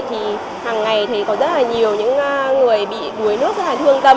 thì hàng ngày thấy có rất là nhiều những người bị đuối nước rất là thương tâm